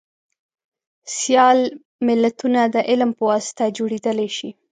سیال ملتونه دعلم په واسطه جوړیدلی شي